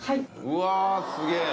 うわすげぇ。